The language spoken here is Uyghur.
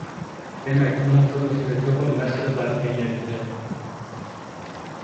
دېمەك ئۇنىڭ تۇرمۇشىدا چوقۇم مەسىلە بار دېگەن يەرگە كەلدىم.